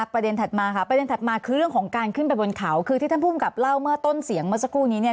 ถัดมาค่ะประเด็นถัดมาคือเรื่องของการขึ้นไปบนเขาคือที่ท่านภูมิกับเล่าเมื่อต้นเสียงเมื่อสักครู่นี้เนี่ย